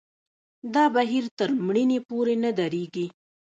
دا بهیر تر مړینې پورې نه درېږي.